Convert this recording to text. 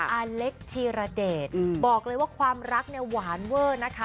อาเล็กธีรเดชบอกเลยว่าความรักเนี่ยหวานเวอร์นะคะ